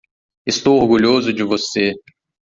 Estou orgulhoso de você.